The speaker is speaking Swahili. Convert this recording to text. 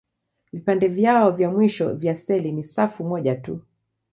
Vipande vyao vya mwisho vya seli ni safu moja tu.